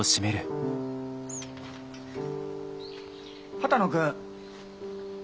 波多野君。